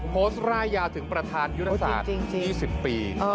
กร่ายยาวถึงประธานยุทธศาสตร์๒๐ปี